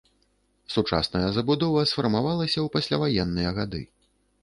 Сучасная забудова сфармавалася ў пасляваенныя гады.